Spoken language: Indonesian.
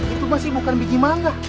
itu masih bukan biji mangga